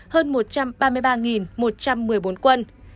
hơn một trăm ba mươi ba một trăm một mươi bốn quân